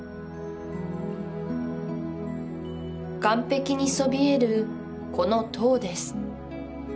岩壁にそびえるこの塔です